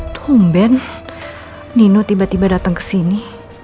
tumben nino tiba tiba datang kesini